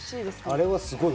あれはすごい。